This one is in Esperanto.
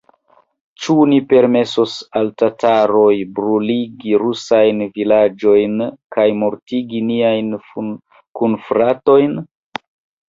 Ĉu ni permesos al tataroj bruligi rusajn vilaĝojn kaj mortigi niajn kunfratojn?